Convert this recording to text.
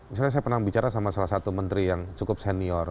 misalnya saya pernah bicara sama salah satu menteri yang cukup senior